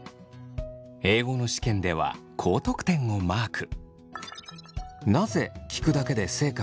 英語の試験では高得点をマーク。